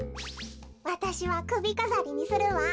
わたしはくびかざりにするわ。